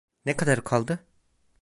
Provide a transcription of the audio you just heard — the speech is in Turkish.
Ne kadar kaldı?